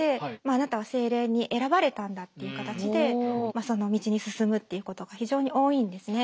「あなたは精霊に選ばれたんだ」っていう形でその道に進むっていうことが非常に多いんですね。